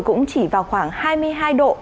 cũng chỉ vào khoảng hai mươi hai độ